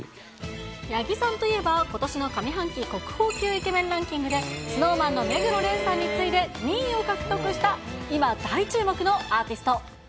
八木さんといえば、ことしの上半期国宝級イケメンランキングで、ＳｎｏｗＭａｎの目黒蓮さんに次いで２位を獲得した、今大注目のアーティスト。